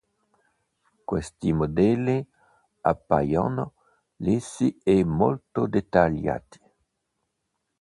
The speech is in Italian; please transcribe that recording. Questi modelli appaiono lisci e molto dettagliati.